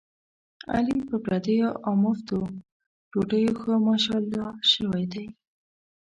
علي په پردیو اومفتو ډوډیو ښه ماشاءالله شوی دی.